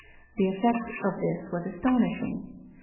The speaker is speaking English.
The effect of this was astonishing.